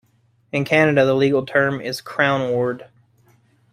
In Canada the legal term is Crown ward.